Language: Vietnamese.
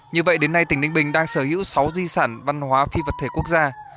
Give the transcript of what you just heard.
như vậy đến nay tỉnh ninh bình đang sở hữu sáu di sản văn hóa phi vật thể quốc gia